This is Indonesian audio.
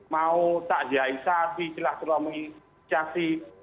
mau tak ziaisasi celah kelaminasi